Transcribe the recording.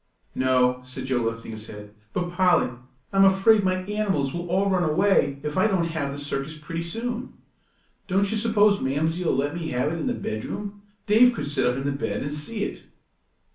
"No," said Joe, lifting his head; "but, Polly, I'm afraid my animals will all run away if I don't have the circus pretty soon. Don't you s'pose Mamsie'll let me have it in the bedroom Dave could sit up in the bed and see it."